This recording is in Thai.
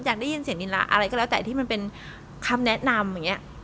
อยากได้ยินเสียงลีลาอะไรก็แล้วแต่ที่มันเป็นคำแนะนำอย่างนี้